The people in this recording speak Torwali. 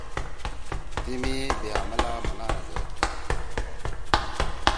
تیمی بے عملا ملانا زید تنقید کُوا گَدُو